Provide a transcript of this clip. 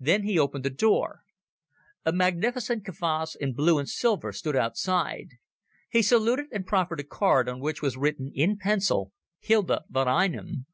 Then he opened the door. A magnificent kavass in blue and silver stood outside. He saluted and proffered a card on which was written in pencil, "Hilda von Einem".